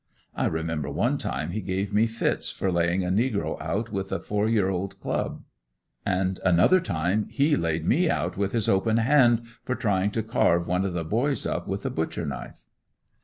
I remember one time he gave me fits for laying a negro out with a four year old club; and another time he laid me out with his open hand for trying to carve one of the boys up with a butcher knife.